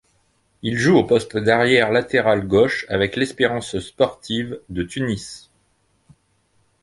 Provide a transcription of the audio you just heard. Il joue au poste d'arrière latéral gauche avec l'Espérance sportive de Tunis.